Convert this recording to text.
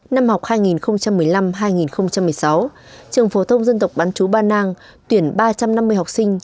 năm học hai nghìn một mươi năm hai nghìn một mươi sáu trường phổ thông dân tộc bán chú ba nang tuyển ba trăm năm mươi học sinh